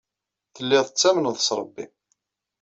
Telliḍ tettamneḍ s Ṛebbi.